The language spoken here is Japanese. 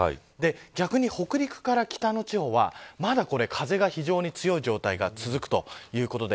逆に北陸から北の地方はまだ、風が非常に強い状態が続くということです。